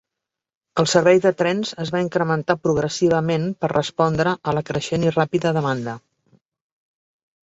El servei de trens es va incrementar progressivament per respondre a la creixent i ràpida demanda.